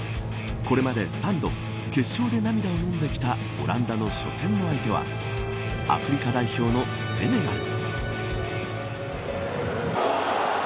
これまで３度決勝で涙をのんできたオランダの初戦の相手はアフリカ代表のセネガル。